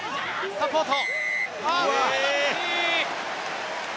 サポート。